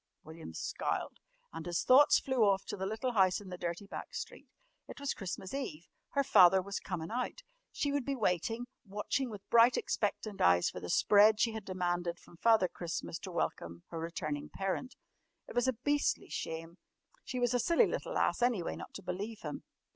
William scowled, and his thoughts flew off to the little house in the dirty back street. It was Christmas Eve. Her father was "comin' out." She would be waiting, watching with bright, expectant eyes for the "spread" she had demanded from Father Christmas to welcome her returning parent. It was a beastly shame. She was a silly little ass, anyway, not to believe him.